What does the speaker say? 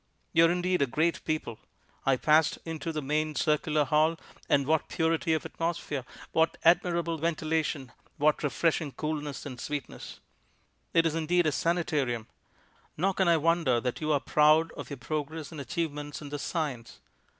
You are indeed a great people. I passed into the main circular hall, and what purity of atmosphere, what admirable ventilation, what refreshing coolness and sweetness; it is, indeed, a sanitarium; nor can I wonder that you are proud of your progress and achievements in this science.